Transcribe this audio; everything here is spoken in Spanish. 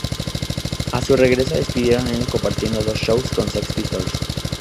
A su regreso despidieron el año compartiendo dos "shows" con Sex Pistols.